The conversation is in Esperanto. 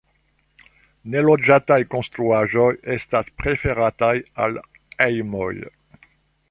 Neloĝataj konstruaĵoj estas preferataj al hejmoj.